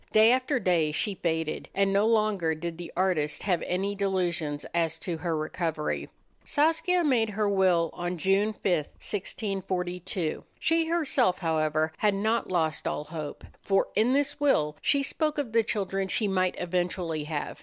Day after day she faded, and no longer did the artist have any delusions as to her recovery. Saskia made her will on June 5, 1642. She herself, however, had not lost all hope, for in this will she spoke of the children she might eventually have.